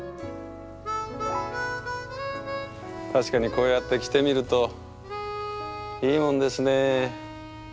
確かにこうやって着てみるといいもんですね。